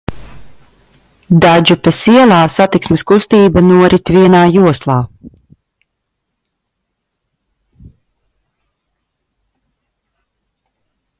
Dadžupes ielā satiksmes kustība norit vienā joslā.